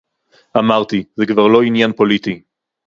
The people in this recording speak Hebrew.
אמרתי: זה כבר לא עניין פוליטי